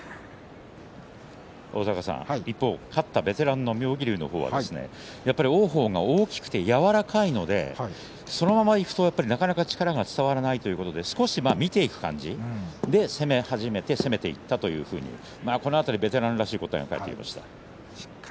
一方勝ったベテランの妙義龍は王鵬が大きくて柔らかいのでそのままいくと、なかなか力が伝わらないということで少し見ていく感じで攻め始めて攻めていったというふうにこの辺りベテランらしい答えが返ってきました。